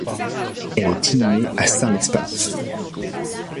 Elle est inhumée à Sart-lez-Spa.